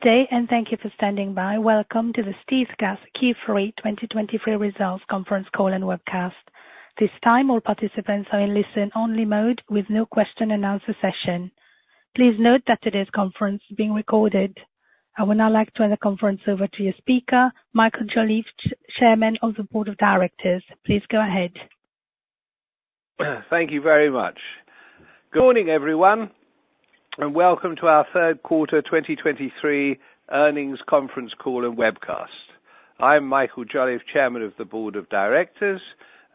Good day, and thank you for standing by. Welcome to the StealthGas Q3 2023 Results Conference Call and Webcast. This time, all participants are in listen-only mode with no question-and-answer session. Please note that today's conference is being recorded. I would now like to turn the conference over to your speaker, Michael Jolliffe, Chairman of the Board of Directors. Please go ahead. Thank you very much. Good morning, everyone, and welcome to our third quarter 2023 Earnings Conference Call and Webcast. I'm Michael Jolliffe, Chairman of the Board of Directors,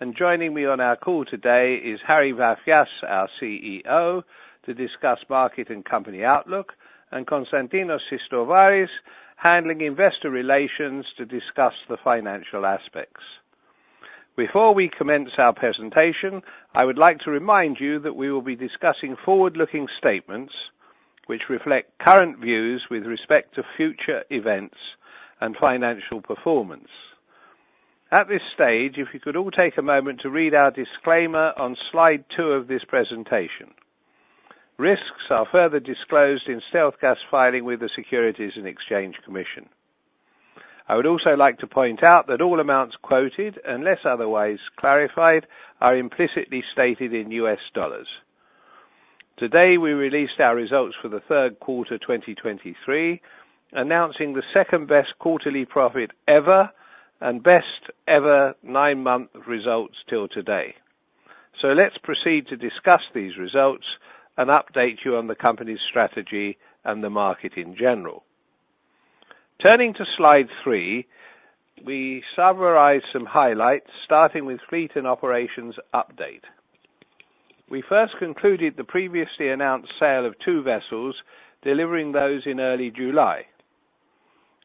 and joining me on our call today is Harry Vafias, our Chief Executive Officer, to discuss market and company outlook, and Konstantinos Sistovaris, handling investor relations to discuss the financial aspects. Before we commence our presentation, I would like to remind you that we will be discussing forward-looking statements, which reflect current views with respect to future events and financial performance. At this stage, if you could all take a moment to read our disclaimer on slide two of this presentation. Risks are further disclosed in StealthGas' filing with the Securities and Exchange Commission. I would also like to point out that all amounts quoted, unless otherwise clarified, are implicitly stated in U.S. dollars. Today, we released our results for the third quarter 2023, announcing the second-best quarterly profit ever, and best-ever nine-month results till today. So let's proceed to discuss these results and update you on the company's strategy and the market in general. Turning to slide three, we summarize some highlights, starting with fleet and operations update. We first concluded the previously announced sale of two vessels, delivering those in early July.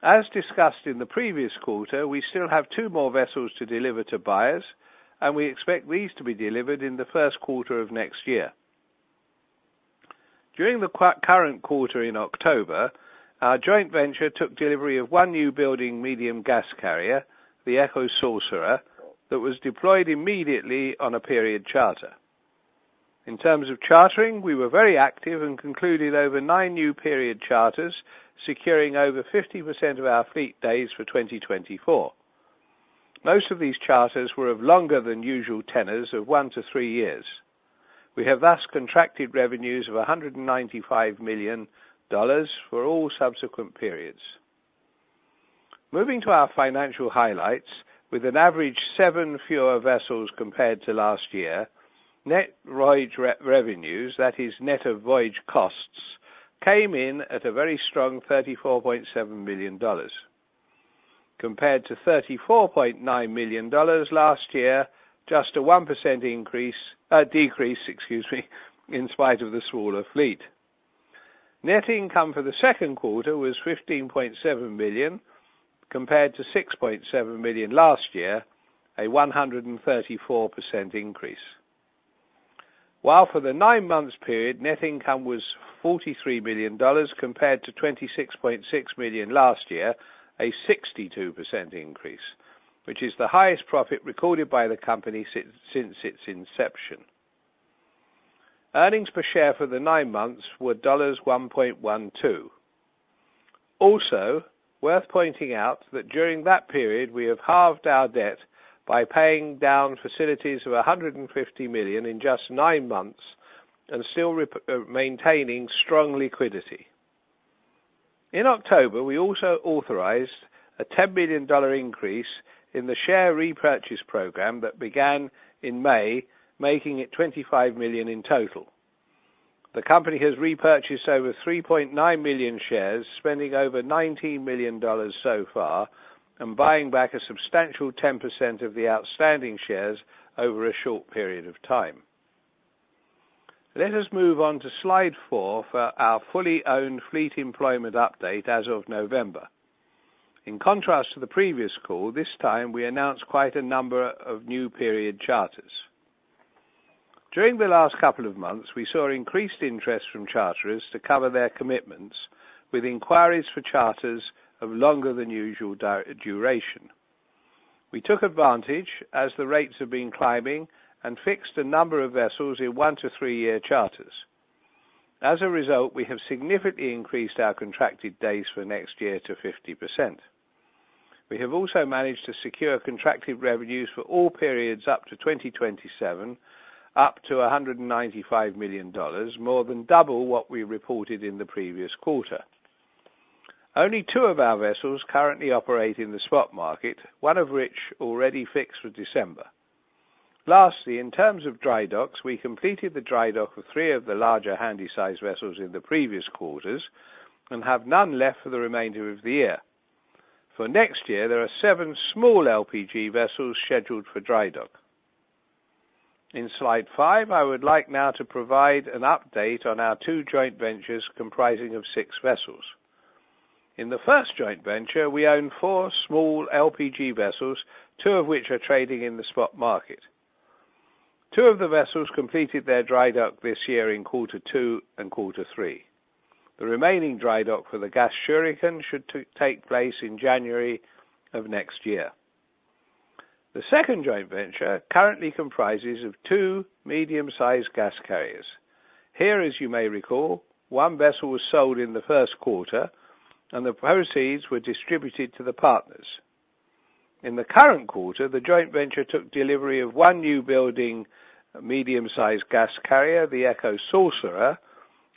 As discussed in the previous quarter, we still have two more vessels to deliver to buyers, and we expect these to be delivered in the first quarter of next year. During the current quarter in October, our joint venture took delivery of one newbuilding medium gas carrier, the Eco Sorcerer, that was deployed immediately on a period charter. In terms of chartering, we were very active and concluded over nine new period charters, securing over 50% of our fleet days for 2024. Most of these charters were of longer than usual tenors of one to three years. We have thus contracted revenues of $195 million for all subsequent periods. Moving to our financial highlights, with an average seven fewer vessels compared to last year, net voyage revenues, that is net of voyage costs, came in at a very strong $34.7 million. Compared to $34.9 million last year, just a 1% decrease, excuse me, in spite of the smaller fleet. Net income for the second quarter was $15.7 million, compared to $6.7 million last year, a 134% increase. While for the nine months period, net income was $43 million compared to $26.6 million last year, a 62% increase, which is the highest profit recorded by the company since its inception. Earnings per share for the nine months were $1.12. Also, worth pointing out that during that period, we have halved our debt by paying down facilities of $150 million in just nine months and still maintaining strong liquidity. In October, we also authorized a $10 billion increase in the share repurchase program that began in May, making it $25 million in total. The company has repurchased over $3.9 million shares, spending over $19 million so far, and buying back a substantial 10% of the outstanding shares over a short period of time. Let us move on to slide four for our fully owned fleet employment update as of November. In contrast to the previous call, this time, we announced quite a number of new period charters. During the last couple of months, we saw increased interest from charterers to cover their commitments with inquiries for charters of longer than usual duration. We took advantage as the rates have been climbing and fixed a number of vessels in one to three year charters. As a result, we have significantly increased our contracted days for next year to 50%. We have also managed to secure contracted revenues for all periods up to 2027, up to $195 million, more than double what we reported in the previous quarter. Only two of our vessels currently operate in the spot market, one of which already fixed for December. Lastly, in terms of dry docks, we completed the dry dock for three of the larger handy-sized vessels in the previous quarters and have none left for the remainder of the year. For next year, there are seven small LPG vessels scheduled for dry dock. In slide five, I would like now to provide an update on our two joint ventures, comprising of six vessels. In the first joint venture, we own four small LPG vessels, two of which are trading in the spot market. Two of the vessels completed their dry dock this year in quarter two and quarter three. The remaining dry dock for the Gas Shuriken should take place in January of next year. The second joint venture currently comprises of two medium-sized gas carriers. Here, as you may recall, one vessel was sold in the first quarter and the proceeds were distributed to the partners. In the current quarter, the joint venture took delivery of one newbuilding, medium-sized gas carrier, the Eco Sorcerer,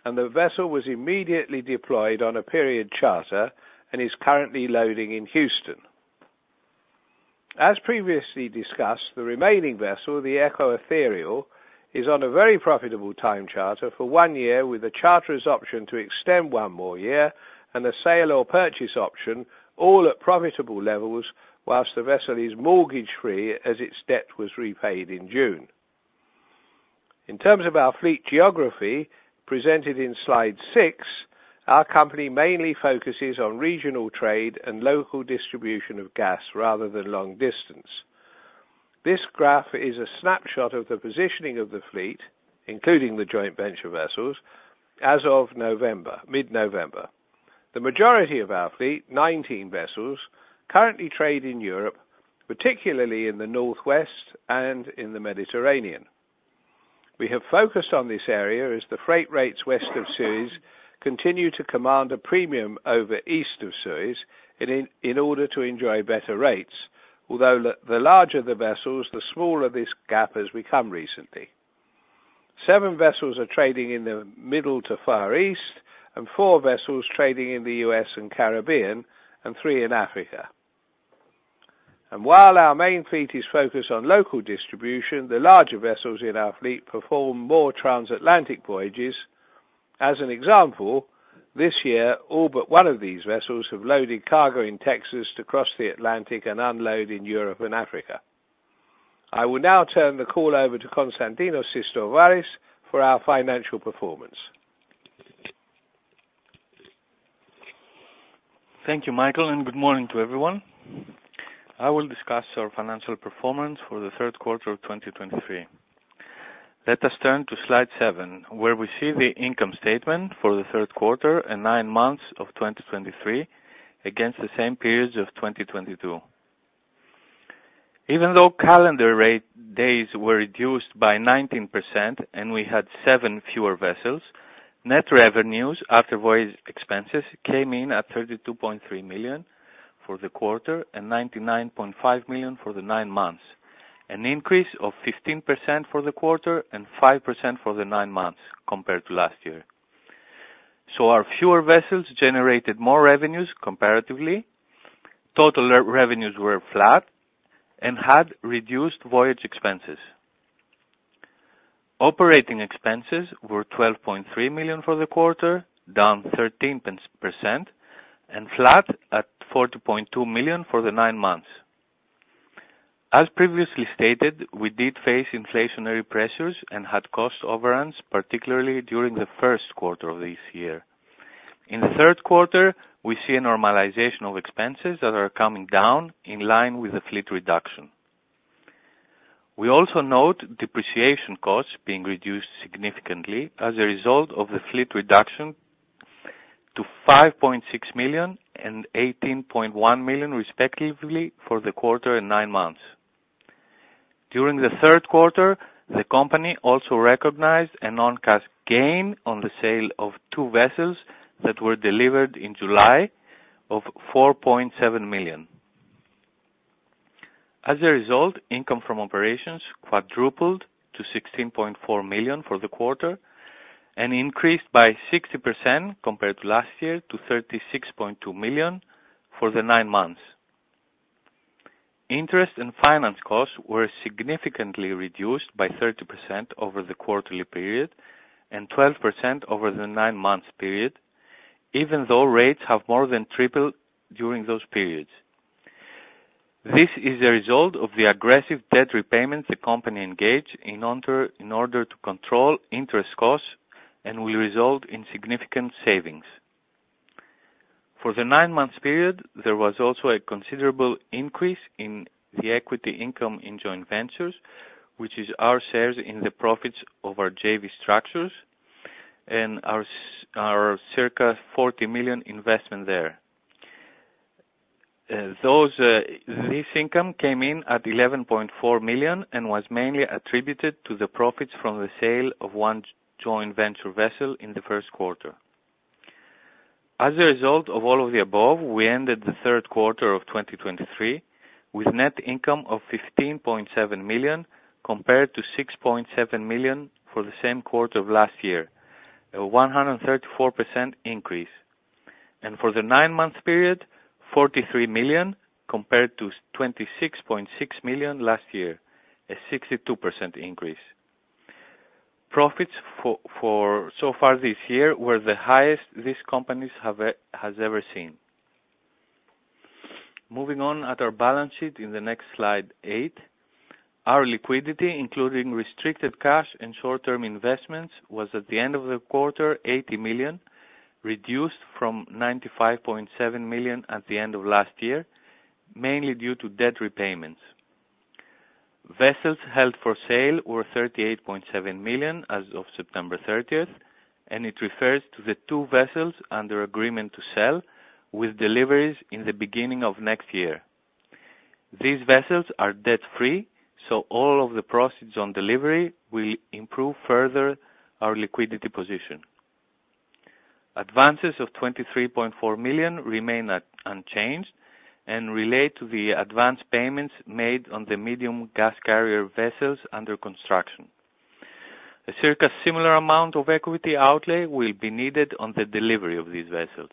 and the vessel was immediately deployed on a period charter and is currently loading in Houston. As previously discussed, the remaining vessel, the Eco Ethereal, is on a very profitable time charter for one year, with the charter's option to extend one more year and a sale or purchase option, all at profitable levels, while the vessel is mortgage-free as its debt was repaid in June. In terms of our fleet geography, presented in Slide six, our company mainly focuses on regional trade and local distribution of gas rather than long distance. This graph is a snapshot of the positioning of the fleet, including the joint venture vessels, as of November, mid-November. The majority of our fleet, 19 vessels, currently trade in Europe, particularly in the Northwest and in the Mediterranean. We have focused on this area as the freight rates west of Suez continue to command a premium over East of Suez in order to enjoy better rates. Although the larger the vessels, the smaller this gap has become recently. Seven vessels are trading in the Middle to Far East and four vessels trading in the U.S. and Caribbean and three in Africa. And while our main fleet is focused on local distribution, the larger vessels in our fleet perform more transatlantic voyages. As an example, this year, all but one of these vessels have loaded cargo in Texas to cross the Atlantic and unload in Europe and Africa. I will now turn the call over to Konstantinos Sistovaris for our financial performance. Thank you, Michael, and good morning to everyone. I will discuss our financial performance for the third quarter of 2023. Let us turn to slide seven, where we see the income statement for the third quarter and nine months of 2023 against the same periods of 2022. Even though calendar rate days were reduced by 19% and we had seven fewer vessels, net revenues after voyage expenses came in at $32.3 million for the quarter and $99.5 million for the nine months, an increase of 15% for the quarter and 5% for the nine months compared to last year. So our fewer vessels generated more revenues comparatively. Total revenues were flat and had reduced voyage expenses. Operating expenses were $12.3 million for the quarter, down 13% and flat at $40.2 million for the nine months. As previously stated, we did face inflationary pressures and had cost overruns, particularly during the first quarter of this year. In the third quarter, we see a normalization of expenses that are coming down in line with the fleet reduction. We also note depreciation costs being reduced significantly as a result of the fleet reduction to $5.6 million and $18.1 million, respectively, for the quarter and nine months. During the third quarter, the company also recognized a non-cash gain on the sale of two vessels that were delivered in July of $4.7 million. As a result, income from operations quadrupled to $16.4 million for the quarter and increased by 60% compared to last year, to $36.2 million for the nine months. Interest and finance costs were significantly reduced by 30% over the quarterly period and 12% over the nine-month period, even though rates have more than tripled during those periods. This is a result of the aggressive debt repayments the company engaged in order to control interest costs and will result in significant savings. For the nine-month period, there was also a considerable increase in the equity income in joint ventures, which is our shares in the profits of our JV structures and our circa $40 million investment there. Those, this income came in at $11.4 million and was mainly attributed to the profits from the sale of one joint venture vessel in the first quarter. As a result of all of the above, we ended the third quarter of 2023 with net income of $15.7 million, compared to $6.7 million for the same quarter of last year, a 134% increase. For the nine-month period, $43 million compared to $26.6 million last year, a 62% increase. Profits so far this year were the highest these companies have ever seen. Moving on to our balance sheet in the next slide, eight. Our liquidity, including restricted cash and short-term investments, was, at the end of the quarter, $80 million, reduced from $95.7 million at the end of last year, mainly due to debt repayments. Vessels held for sale were $38.7 million as of September 30th, and it refers to the two vessels under agreement to sell with deliveries in the beginning of next year. These vessels are debt-free, so all of the proceeds on delivery will improve further our liquidity position. Advances of $23.4 million remain unchanged and relate to the advance payments made on the medium gas carrier vessels under construction. A circa similar amount of equity outlay will be needed on the delivery of these vessels.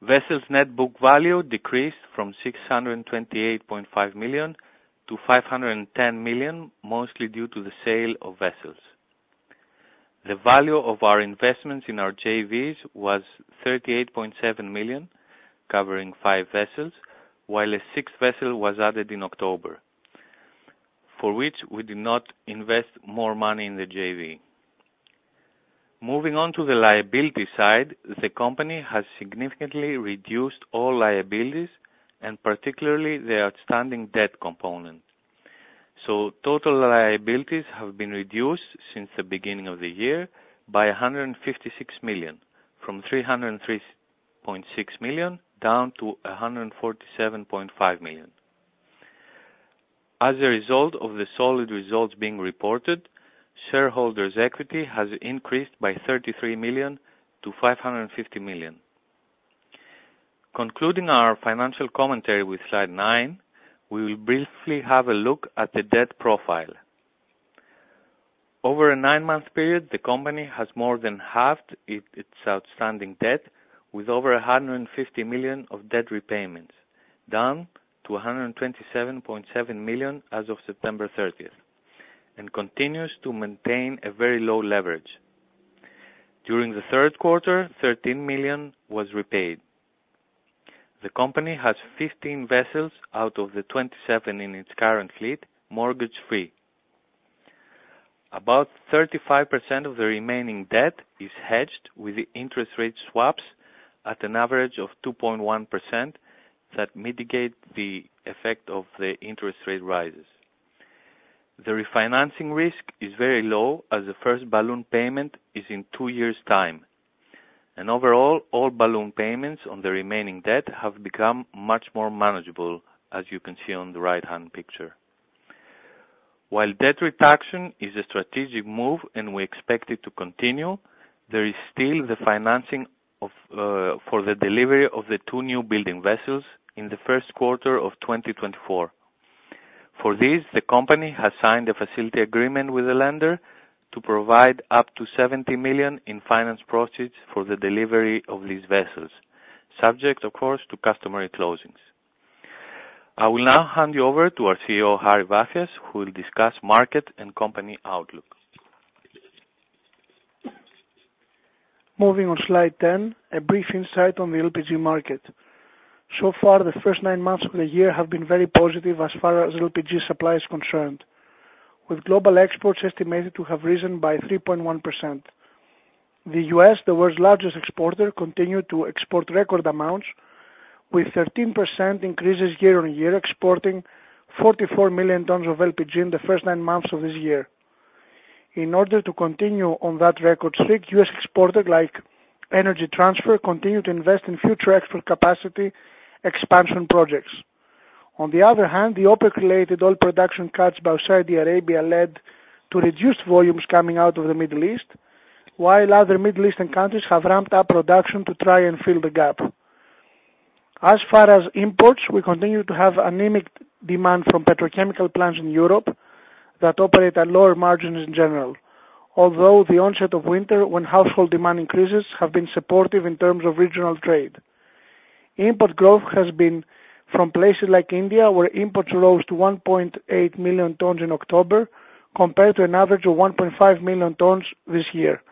Vessels' net book value decreased from $628.5 million to $510 million, mostly due to the sale of vessels. The value of our investments in our JVs was $38.7 million, covering five vessels, while a sixth vessel was added in October, for which we did not invest more money in the JV. Moving on to the liability side, the company has significantly reduced all liabilities and particularly the outstanding debt component. So total liabilities have been reduced since the beginning of the year by $156 million, from $303.6 million down to $147.5 million. As a result of the solid results being reported, shareholders' equity has increased by $33 million to $550 million. Concluding our financial commentary with slide nine, we will briefly have a look at the debt profile. Over a nine month period, the company has more than halved its outstanding debt, with over $150 million of debt repayments, down to $127.7 million as of September 30, and continues to maintain a very low leverage. During the third quarter, $13 million was repaid. The company has 15 vessels out of the 27 in its current fleet, mortgage-free. About 35% of the remaining debt is hedged with interest rate swaps at an average of 2.1% that mitigate the effect of the interest rate rises. The refinancing risk is very low, as the first balloon payment is in two years' time. And overall, all balloon payments on the remaining debt have become much more manageable, as you can see on the right-hand picture. While debt reduction is a strategic move and we expect it to continue, there is still the financing of, for the delivery of the two newbuilding vessels in the first quarter of 2024. For this, the company has signed a facility agreement with the lender to provide up to $70 million in finance proceeds for the delivery of these vessels, subject, of course, to customary closings. I will now hand you over to our Chief Executive Officer, Harry Vafias, who will discuss market and company outlook. Moving on slide 10, a brief insight on the LPG market. So far, the first nine months of the year have been very positive as far as LPG supply is concerned, with global exports estimated to have risen by 3.1%. The U.S., the world's largest exporter, continued to export record amounts with 13% increases year-on-year, exporting 44 million tons of LPG in the first nine months of this year. In order to continue on that record streak, U.S, exporter like Energy Transfer, continue to invest in future export capacity expansion projects. On the other hand, the OPEC-related oil production cuts by Saudi Arabia led to reduced volumes coming out of the Middle East, while other Middle Eastern countries have ramped up production to try and fill the gap. As far as imports, we continue to have anemic demand from petrochemical plants in Europe that operate at lower margins in general, although the onset of winter, when household demand increases, have been supportive in terms of regional trade. Import growth has been from places like India, where imports rose to 1.8 million tons in October, compared to an average of 1.5 million tons this year,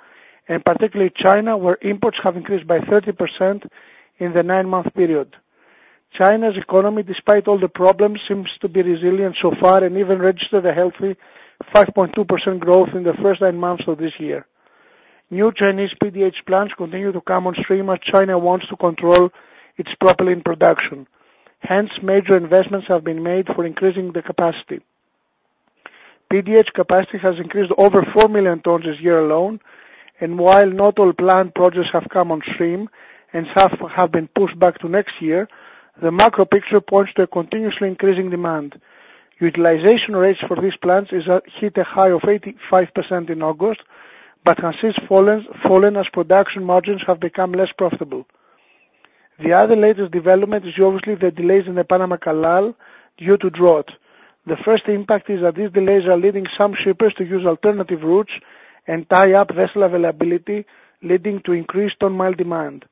and particularly China, where imports have increased by 30% in the nine-month period. China's economy, despite all the problems, seems to be resilient so far and even registered a healthy 5.2% growth in the first nine months of this year. New Chinese PDH plants continue to come on stream as China wants to control its propylene production. Hence, major investments have been made for increasing the capacity. PDH capacity has increased over 4 million tons this year alone, and while not all plant projects have come on stream and some have been pushed back to next year, the macro picture points to a continuously increasing demand. Utilization rates for these plants is at, hit a high of 85% in August, but has since fallen, fallen as production margins have become less profitable. The other latest development is obviously the delays in the Panama Canal due to drought. The first impact is that these delays are leading some shippers to use alternative routes and tie up vessel availability, leading to increased ton mile demand.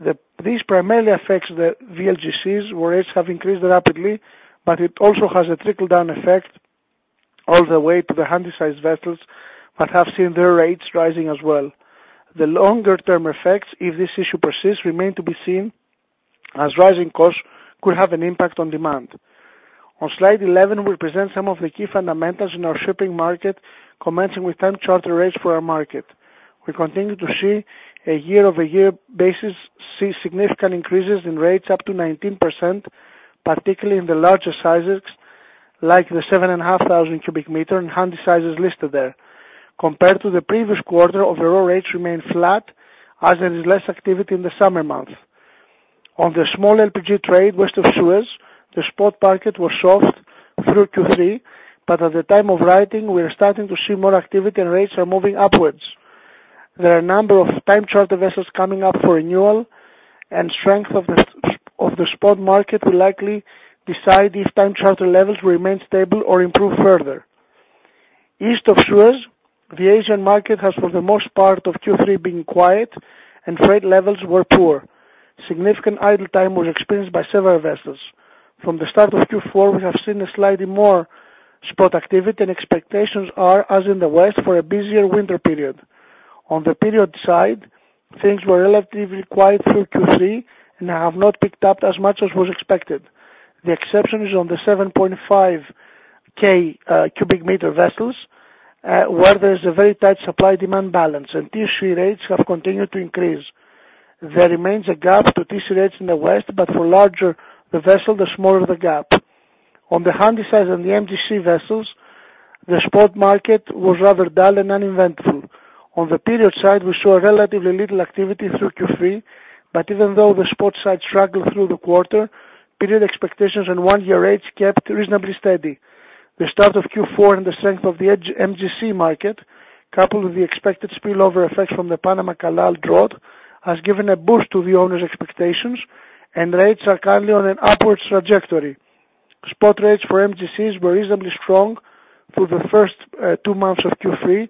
This primarily affects the VLGCs, where rates have increased rapidly, but it also has a trickle-down effect all the way to the handy-sized vessels that have seen their rates rising as well. The longer term effects, if this issue persists, remain to be seen, as rising costs could have an impact on demand. On slide 11, we present some of the key fundamentals in our shipping market, commencing with time charter rates for our market. We continue to see a year-over-year basis, see significant increases in rates up to 19%, particularly in the larger sizes, like the 7,500 cubic meter and Handysizes listed there. Compared to the previous quarter, overall rates remained flat, as there is less activity in the summer months. On the small LPG trade, West of Suez, the spot market was soft through Q3, but at the time of writing, we are starting to see more activity and rates are moving upwards. There are a number of time charter vessels coming up for renewal, and strength of the spot market will likely decide if time charter levels will remain stable or improve further. East of Suez, the Asian market has, for the most part of Q3, been quiet and freight levels were poor. Significant idle time was experienced by several vessels. From the start of Q4, we have seen a slightly more spot activity, and expectations are, as in the West, for a busier winter period. On the period side, things were relatively quiet through Q3 and have not picked up as much as was expected. The exception is on the 7.5K cubic meter vessels, where there is a very tight supply-demand balance, and TC rates have continued to increase. There remains a gap to TC rates in the West, but for larger the vessel, the smaller the gap. On the Handysize and the MGC vessels, the spot market was rather dull and uneventful. On the period side, we saw relatively little activity through Q3, but even though the spot side struggled through the quarter, period expectations and one-year rates kept reasonably steady. The start of Q4 and the strength of the MGC market, coupled with the expected spillover effect from the Panama Canal drought, has given a boost to the owners' expectations, and rates are currently on an upwards trajectory. Spot rates for MGCs were reasonably strong through the first two months of Q3,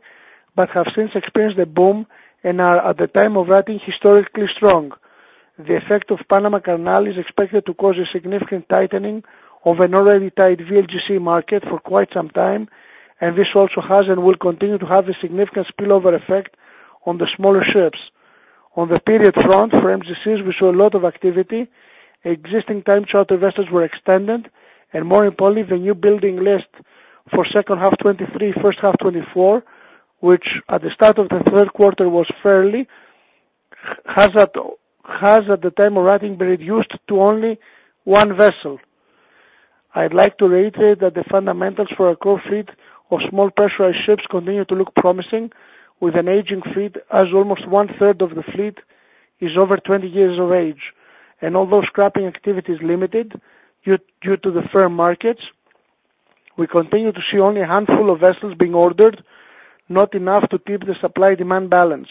but have since experienced a boom and are, at the time of writing, historically strong. The effect of Panama Canal is expected to cause a significant tightening of an already tight VLGC market for quite some time, and this also has and will continue to have a significant spillover effect on the smaller ships. On the period front, for MGCs, we saw a lot of activity. Existing time charter vessels were extended, and more importantly, the newbuilding list for second half 2023, first half 2024, which at the start of the third quarter was fairly, has at the time of writing, been reduced to only one vessel. I'd like to reiterate that the fundamentals for our core fleet of small pressurized ships continue to look promising, with an aging fleet as almost one-third of the fleet is over 20 years of age. Although scrapping activity is limited due to the firm markets, we continue to see only a handful of vessels being ordered, not enough to keep the supply-demand balance.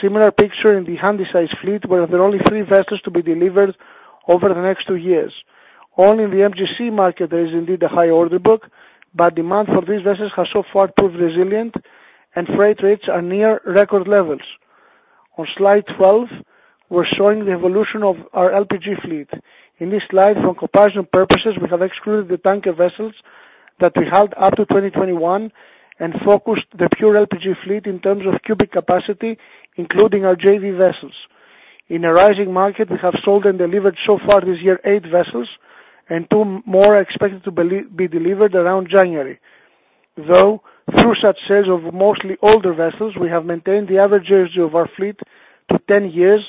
Similar picture in the handy-sized fleet, where there are only three vessels to be delivered over the next two years. Only in the MGC market there is indeed a high order book, but demand for these vessels has so far proved resilient, and freight rates are near record levels. On Slide 12, we're showing the evolution of our LPG fleet. In this slide, for comparison purposes, we have excluded the tanker vessels that we held up to 2021 and focused the pure LPG fleet in terms of cubic capacity, including our JV vessels. In a rising market, we have sold and delivered so far this year, eight vessels, and two more are expected to be delivered around January. Though, through such sales of mostly older vessels, we have maintained the average age of our fleet to 10 years,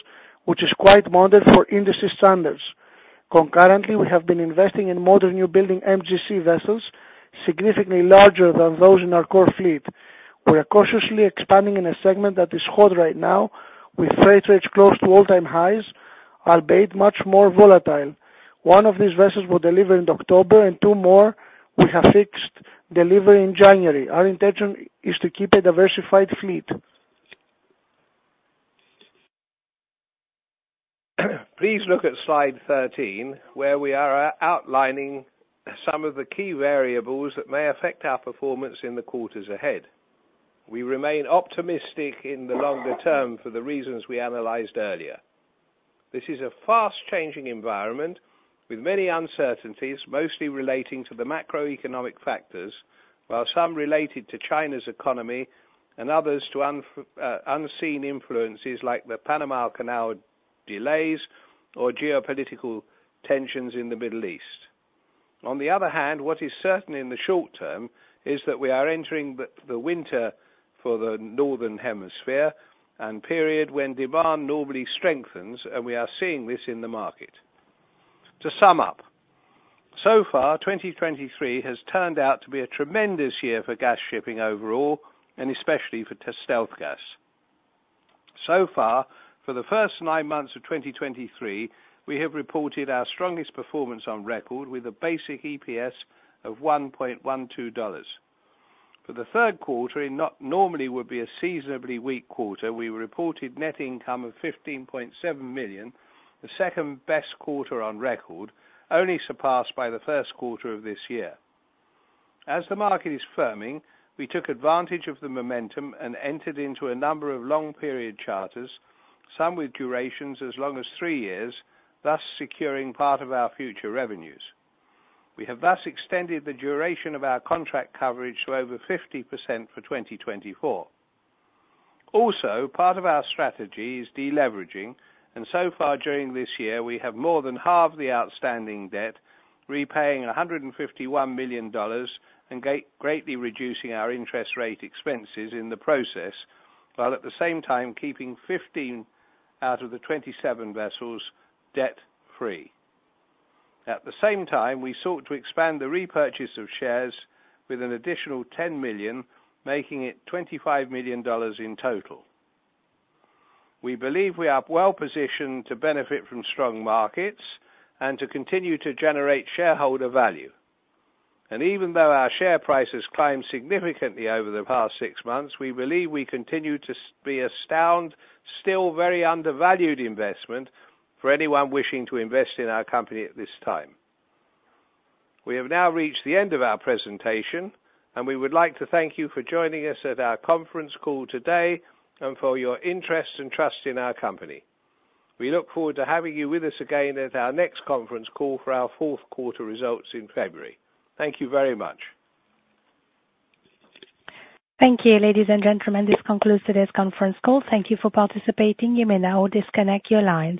which is quite moderate for industry standards. Concurrently, we have been investing in modern, newbuilding MGC vessels, significantly larger than those in our core fleet. We are cautiously expanding in a segment that is hot right now, with freight rates close to all-time highs, albeit much more volatile. One of these vessels will deliver in October, and two more we have fixed delivery in January. Our intention is to keep a diversified fleet. Please look at Slide 13, where we are outlining some of the key variables that may affect our performance in the quarters ahead. We remain optimistic in the longer term for the reasons we analyzed earlier. This is a fast-changing environment with many uncertainties, mostly relating to the macroeconomic factors, while some related to China's economy and others to unforeseen influences like the Panama Canal delays or geopolitical tensions in the Middle East. On the other hand, what is certain in the short term is that we are entering the winter for the Northern Hemisphere, and period when demand normally strengthens, and we are seeing this in the market. To sum up, so far, 2023 has turned out to be a tremendous year for gas shipping overall, and especially for StealthGas. So far, for the first nine months of 2023, we have reported our strongest performance on record with a basic EPS of $1.12. For the third quarter, it normally would be a seasonally weak quarter, we reported net income of $15.7 million, the second-best quarter on record, only surpassed by the first quarter of this year. As the market is firming, we took advantage of the momentum and entered into a number of long-period charters, some with durations as long as 3 years, thus securing part of our future revenues. We have thus extended the duration of our contract coverage to over 50% for 2024. Also, part of our strategy is deleveraging, and so far during this year, we have more than halved the outstanding debt, repaying $151 million, and greatly reducing our interest rate expenses in the process, while at the same time keeping 15 out of the 27 vessels debt-free. At the same time, we sought to expand the repurchase of shares with an additional $10 million, making it $25 million in total. We believe we are well positioned to benefit from strong markets and to continue to generate shareholder value. Even though our share price has climbed significantly over the past six months, we believe we continue to be still very undervalued investment for anyone wishing to invest in our company at this time. We have now reached the end of our presentation, and we would like to thank you for joining us at our conference call today, and for your interest and trust in our company. We look forward to having you with us again at our next conference call for our fourth quarter results in February. Thank you very much. Thank you, ladies and gentlemen. This concludes today's conference call. Thank you for participating. You may now disconnect your lines.